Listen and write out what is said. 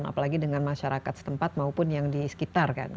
apalagi dengan masyarakat setempat maupun yang di sekitar kan